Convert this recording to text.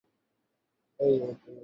উঠ, তুই আগে।